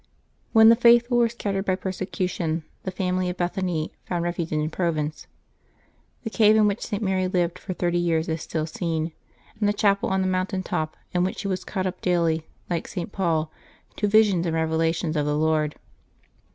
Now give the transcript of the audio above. When the faithful were scattered by persecution the family of Bethany found refuge in Provence. The cave in which St. Mary lived for thirty years is still seen, and the chapel on the mountain top, in which she was caught up daily, like St. Paul, to "visions and revelations of the Lord."